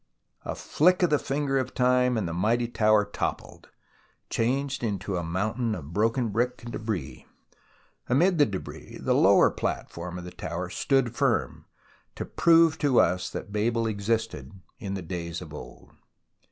A flick of the Finger of Time and the mighty tower toppled, changed into a mountain of broken brick and debris. Amid the debris, the lower platform of the tower stood firm, to prove to us that Babel existed in the days of old.